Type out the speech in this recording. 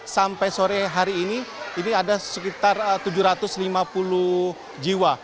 sampai sore hari ini ini ada sekitar tujuh ratus lima puluh jiwa